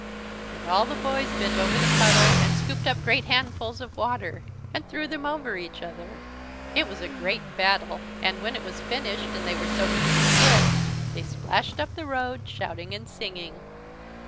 Then all the boys bent over the puddle, and scooped up great handfuls of water, and threw them over each other. It was a great battle. And when it was finished and they were soaked to the skin, they splashed up the road, shouting and singing.